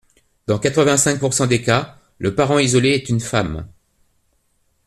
Dans quatre-vingt-cinq pourcent des cas, le parent isolé est une femme.